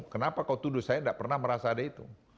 kenapa kau tuduh saya tidak pernah merasa ada itu